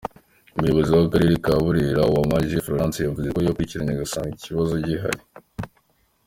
Umuyobozi w’Akarere ka Burera, Uwambajemariya Florence, yavuze ko yakurikiranye agasanga iki kibazo gihari.